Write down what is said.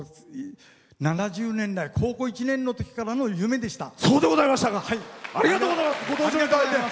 ７０年来高校１年のときからの夢でした。